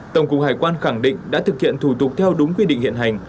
tổng cục hải quan khẳng định đã thực hiện thủ tục theo đúng quy định hiện hành